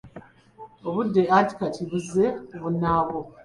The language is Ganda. Obudde anti kati buzze ku bunnaabwo.